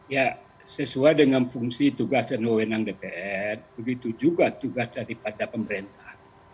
ya sesuai dengan fungsi tugas dan wewenang dpr begitu juga tugas daripada pemerintah